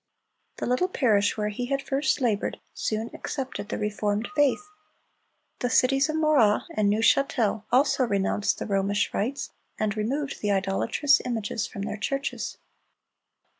The little parish where he had first labored, soon accepted the reformed faith. The cities of Morat and Neuchâtel also renounced the Romish rites, and removed the idolatrous images from their churches.